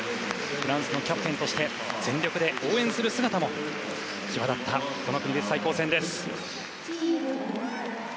フランスのキャプテンとして全力で応援する姿も際立ったこの国別対抗戦です。